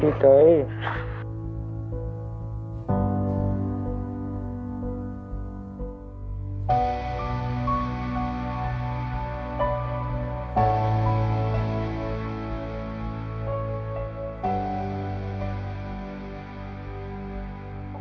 แล้วลูกก็จะอยู่ด้วยแม่